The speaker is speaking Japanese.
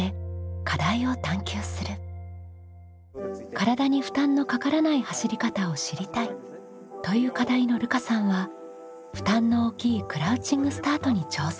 「体に負担のかからない走り方を知りたい」という課題のるかさんは負担の大きいクラウチングスタートに挑戦。